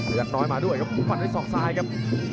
ประยักษ์น้อยมาด้วยครับฝันด้วยสองซ้ายครับ